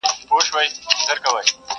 پاچاهان نه د چا وروڼه نه خپلوان دي!.